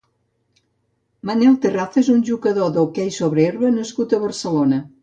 Manel Terraza és un jugador d'hoquei sobre herba nascut a Barcelona.